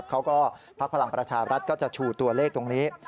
พประชาฬาศาสตร์ก็จะฉูดตัวเลขตรงนี้